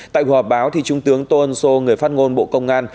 tại buổi họp báo trung tướng tôn sô người phát ngôn bộ công an